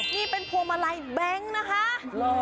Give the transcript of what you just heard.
นี่เป็นพวงมาลัยแบงค์นะคะ